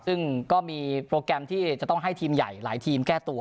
ซึ่งก็มีโปรแกรมที่จะต้องให้ทีมใหญ่หลายทีมแก้ตัว